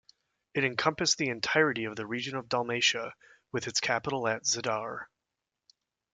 It encompassed the entirety of the region of Dalmatia, with its capital at Zadar.